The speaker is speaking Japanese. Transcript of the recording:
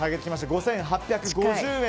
５８５０円。